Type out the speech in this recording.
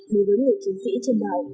đối với người chiến sĩ trên đảo